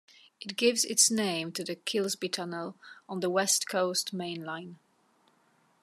It gives its name to the Kilsby Tunnel on the West Coast Main Line.